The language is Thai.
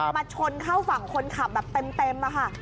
มาชนเข้าฝั่งคนขับแบบเต็มค่ะ